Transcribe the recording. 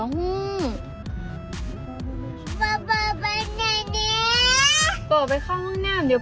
ให้ห้องหน้าเสร็จ